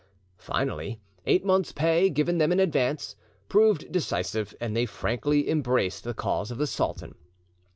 Finally, eight months' pay, given them in advance, proved decisive, and they frankly embraced the cause of the sultan.